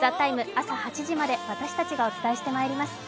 朝８時まで私たちがお伝えしてまいります。